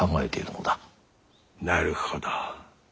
なるほど。